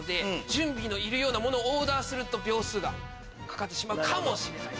準備のいるものをオーダーすると秒数がかかってしまうかも。